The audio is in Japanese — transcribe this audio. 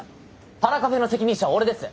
パラカフェの責任者は俺です。